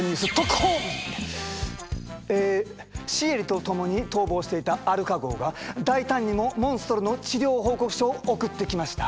えシエリと共に逃亡していたアルカ号が大胆にもモンストロの治療報告書を送ってきました。